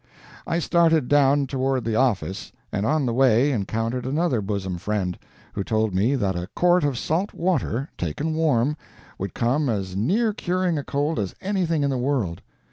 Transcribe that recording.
I started down toward the office, and on the way encountered another bosom friend, who told me that a quart of salt water, taken warm, would come as near curing a cold as anything in the world.